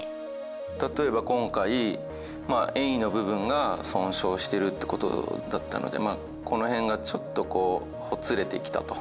例えば今回、遠位の部分が損傷してるっていうことだったので、この辺がちょっとこう、ほつれてきたと。